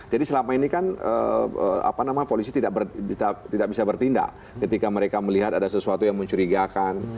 jadi selama ini kan polisi tidak bisa bertindak ketika mereka melihat ada sesuatu yang mencurigakan